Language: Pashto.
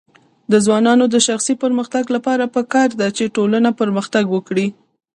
د ځوانانو د شخصي پرمختګ لپاره پکار ده چې ټولنه پرمختګ ورکړي.